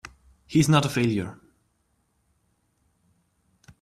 He's not a failure!